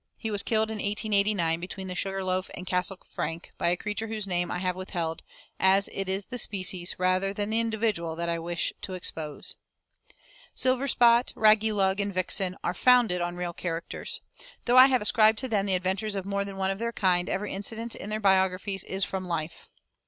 He was killed in 1889, between the Sugar Loaf and Castle Frank, by a creature whose name I have withheld, as it is the species, rather than the individual, that I wish to expose. Silverspot, Raggylug, and Vixen are founded on real characters. Though I have ascribed to them the adventures of more than one of their kind, every incident in their biographies is from life.